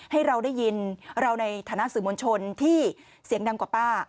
ให้เราได้ยินเราในฐานะสื่อมวลชนที่เสียงดังกว่าป้า